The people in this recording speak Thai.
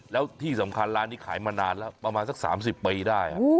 แล้วที่สำคัญร้านนี้ขายมานานแล้วประมาณสัก๓๐ปีได้